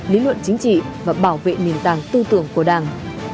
lý luận chính trị và bảo vệ nền tảng tư tưởng của đảng